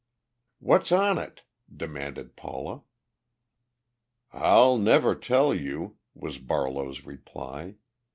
"What's on it?" demanded Paula. "I'll never tell you," was Barlow's reply.